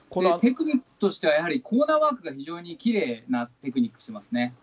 テクニックとしては、やはりコーナーワークが非常にきれいなテクニックをしてますね。